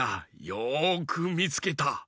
よくみつけた。